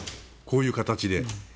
こういう形で。